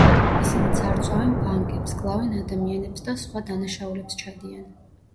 ისინი ძარცვავენ ბანკებს, კლავენ ადამიანებს და სხვა დანაშაულებს ჩადიან.